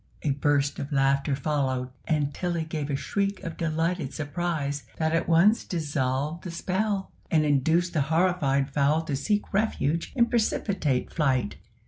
A burst of laughter followed and Tilly gave a shriek of delighted surprise that at once dissolved the spell, and induced the horrified fowl to seek refuge in precipitate flight.